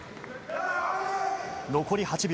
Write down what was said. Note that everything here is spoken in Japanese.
残り８秒。